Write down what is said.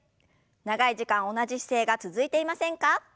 長い時間同じ姿勢が続いていませんか？